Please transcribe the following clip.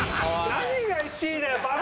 何が１位だよバカ！